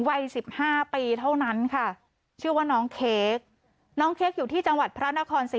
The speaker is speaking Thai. วัย๑๕ปีเท่านั้นค่ะชื่อว่าน้องเค้กน้องเค้กอยู่ที่จังหวัดพระนครศรี